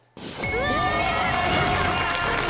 すごい！